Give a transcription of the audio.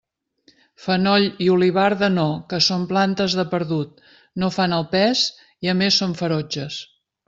Fenoll i olivarda no, que són plantes de perdut, no fan el pes, i a més són ferotges.